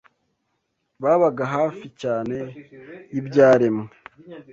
Babaga hafi cyane y’ibyaremwe